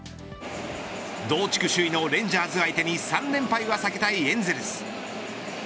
同地区首位のレンジャーズ相手に３連敗は避けたいエンゼルス。